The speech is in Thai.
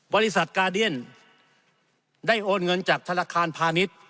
บริษัทกาเดียนได้โอนเงินจากธนาคารพาณิชย์